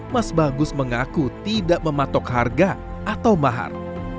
mas bagus mengaku tidak mematok harga atau mahar